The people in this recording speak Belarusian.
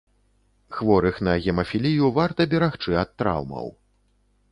Хворых на гемафілію варта берагчы ад траўмаў.